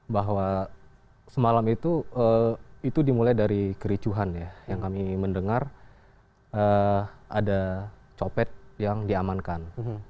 bahwa semalam itu dimulai dari kericuhan ya yang kami mendengar ada copet yang diamankan